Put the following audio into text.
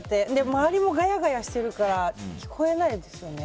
周りもガヤガヤしてるから聞こえないんですよね。